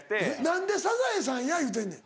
何でサザエさんや言うてんねん。